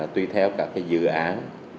tuy theo cả cái dự án